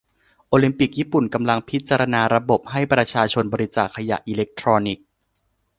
โอลิมปิกญี่ปุ่นกำลังพิจาณาระบบให้ประชาชนบริจาคขยะอิเล็กทรอนิกส์